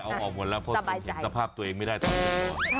เอาออกหมดแล้วเพราะคุณเห็นสภาพตัวเองไม่ได้ตอนนี้